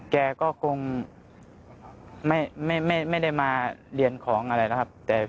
แกก็คงไม่ได้มาเรียนของอะไรนะครับ